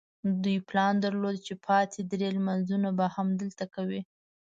دوی پلان درلود چې پاتې درې لمونځونه به هم دلته کوي.